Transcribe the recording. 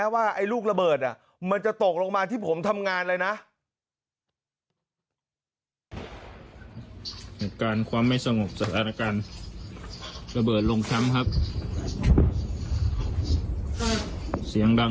ว่าลูกระเบิดมันจะตกลงมาที่ผมทำงานเลยนะ